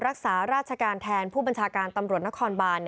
รักษาราชการแทนผู้บัญชาการตำรวจนครบาน